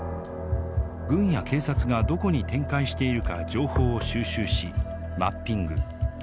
軍や警察がどこに展開しているか情報を収集しマッピング。